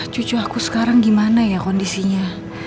cucu aku sekarang gimana ya kondisinya